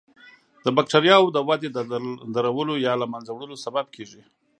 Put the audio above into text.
د بکټریاوو د ودې د درولو یا له منځه وړلو سبب کیږي.